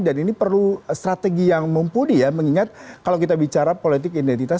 dan ini perlu strategi yang mumpuni ya mengingat kalau kita bicara politik identitas